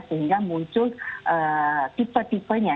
sehingga muncul tipe tipenya